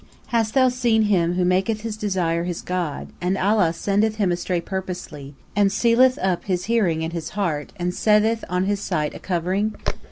P: Hast thou seen him who maketh his desire his god, and Allah sendeth him astray purposely, and sealeth up his hearing and his heart, and setteth on his sight a covering?